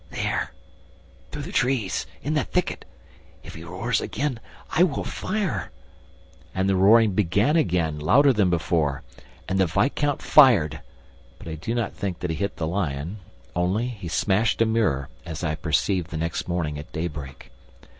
... There ... through the trees ... in that thicket! If he roars again, I will fire! ..." And the roaring began again, louder than before. And the viscount fired, but I do not think that he hit the lion; only, he smashed a mirror, as I perceived the next morning, at daybreak.